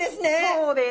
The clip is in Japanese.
そうです。